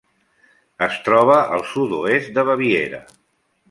Es troba al sud-oest de Baviera.